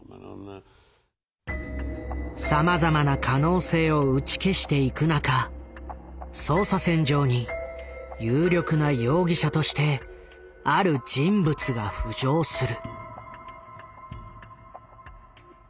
さまざまな可能性を打ち消していく中捜査線上に有力な容疑者としてある人物が浮上する。